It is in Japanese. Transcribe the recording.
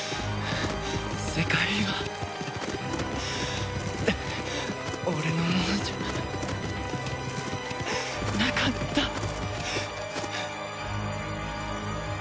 世界は俺のものじゃなかった。